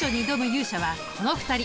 勇者はこの２人！